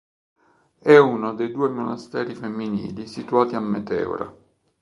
È uno dei due monasteri femminili situati a Meteora.